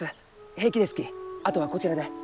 平気ですきあとはこちらで。